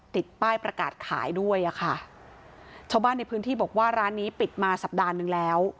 ติดป้ายประกาศขายด้วยอ่ะค่ะชาวบ้านในพื้นที่บอกว่าร้านนี้ปิดมาสัปดาห์หนึ่งแล้ว